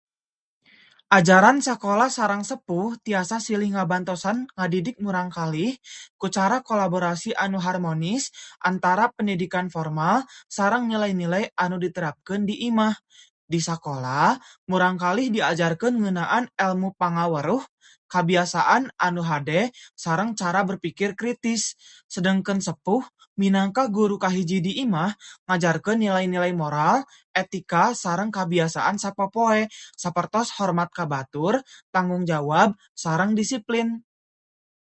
Ajaran sakola sareng sepuh tiasa silih ngabantosan ngadidik murangkalih ku cara kolaborasi anu harmonis antara pendidikan formal sareng nilai-nilai anu diterapkeun di imah. Di sakola, murangkalih diajarkeun ngeunaan elmu pangaweruh, kabiasaan anu hade, sareng cara berpikir kritis. Sedengkeun sepuh, minangka guru kahiji di imah, ngajarkeun nilai-nilai moral, etika, sareng kabiasaan sapopoe, sapertos hormat ka batur, tanggung jawab, sareng disiplin.